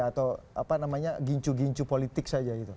atau apa namanya gincu gincu politik saja gitu